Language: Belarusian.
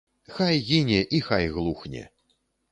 Хай гіне і хай глухне.